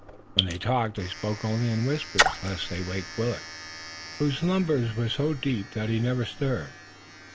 When they talked they spoke only in whispers lest they wake Willet, whose slumbers were so deep that he never stirred.